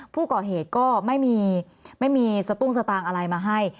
ผู้ก่อเหตุก็ไม่มีไม่มีสตุ้งสตางค์อะไรมาให้